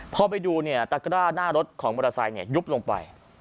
พ่อไปดูตรักร่าหน้ารถของมอเตอร์ไซยุบลงไป